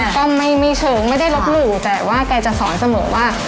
ก็ไม่มีเชิงไม่ได้ลบหลู่แต่ว่าแกจะสอนเสมอว่า